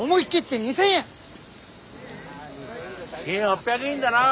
１，８００円だな。